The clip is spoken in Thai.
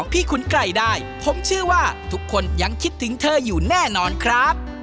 ขุนไกรได้ผมเชื่อว่าทุกคนยังคิดถึงเธออยู่แน่นอนครับ